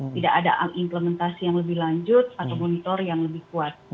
tidak ada implementasi yang lebih lanjut atau monitor yang lebih kuat